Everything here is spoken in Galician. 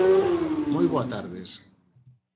Moi boa tardes.